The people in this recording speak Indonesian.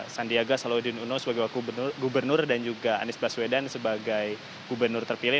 sandiaga salahuddin uno sebagai gubernur dan juga anies baswedan sebagai gubernur terpilih